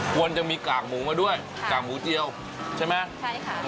ควรจะมีกากหมูมาด้วยกากหมูเจียวใช่ไหมใช่ค่ะ